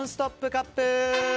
カップ！